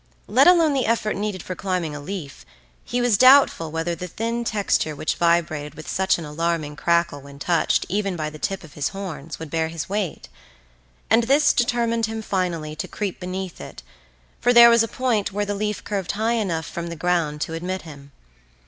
Let alone the effort needed for climbing a leaf, he was doubtful whether the thin texture which vibrated with such an alarming crackle when touched even by the tip of his horns would bear his weight; and this determined him finally to creep beneath it, for there was a point where the leaf curved high enough from the ground to admit him.